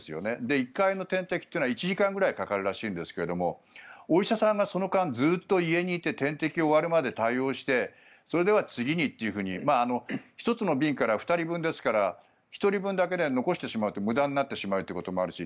１回の点滴というのは１時間ぐらいかかるらしいんですがお医者さんがその間、ずっと家にいて点滴を終わるまで対応してそれでは次にと１つの瓶から２人分ですから１人分だけで残してしまうと無駄になってしまうということもあるし